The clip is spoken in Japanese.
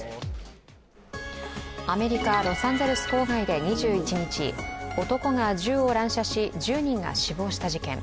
アメリカ・ロサンゼルス郊外で２１日、男が銃を乱射し１０人が死亡した事件。